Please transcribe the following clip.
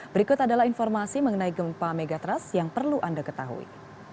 berikut adalah informasi mengenai gempa megatrust yang perlu anda ketahui